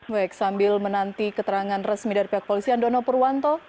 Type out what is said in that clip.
baik sambil menanti keterangan resmi dari pihak polisian dono purwanto